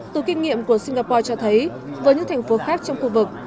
từ kinh nghiệm của singapore cho thấy với những thành phố khác trong khu vực